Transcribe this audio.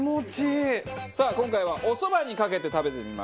さあ今回はお蕎麦にかけて食べてみましょう。